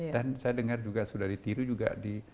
dan saya dengar juga sudah ditiru juga di